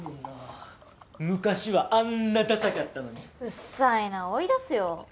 昔はあんなださかったのにうっさいな追い出すよ